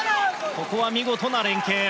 ここは見事な連係。